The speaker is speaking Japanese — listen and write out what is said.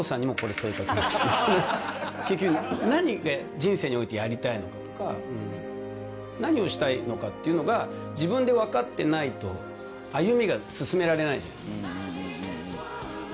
結局何が人生においてやりたいのかとか何をしたいのかっていうのが自分でわかってないと歩みが進められないじゃないですか。